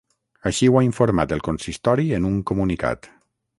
Així ho ha informat el consistori en un comunicat.